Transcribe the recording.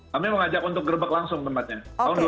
kami mengajak untuk gerbek langsung tempatnya